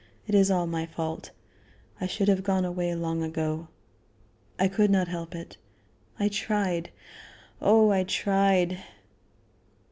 It is all my fault. I should have gone away long ago. I could not help it; I tried. Oh! I tried."